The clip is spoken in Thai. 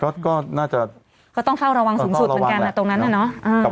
ก็ก็น่าจะก็ต้องเฝ้าระวังสูงสุดเหมือนกันนะตรงนั้นน่ะเนอะ